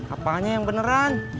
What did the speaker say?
apanya yang beneran